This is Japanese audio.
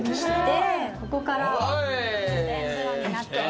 でここから露天風呂になってます。